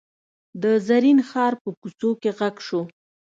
د زرین ښار په کوڅو کې غږ شو.